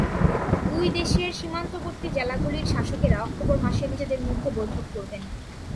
দুই দেশের সীমান্তবর্তী জেলাগুলির শাসকেরা অক্টোবর মাসে নিজেদের মধ্যে বৈঠক করবেন।